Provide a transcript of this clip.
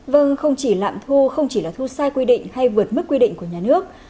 vâng không chỉ lạm thu không chỉ là thu sai quy định hay vượt mức quy định của nhà nước